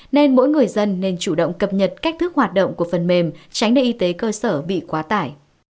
nên mỗi người dân nên chủ động cập nhật cách thức hoạt động của phần mềm tránh để y tế cơ sở bị quá tải